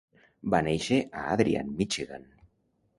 Va néixer a Adrian, Michigan.